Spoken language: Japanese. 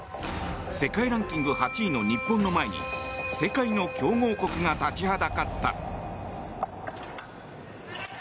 世界ランキング８位の日本の前に世界の強豪国が立ちはだかった。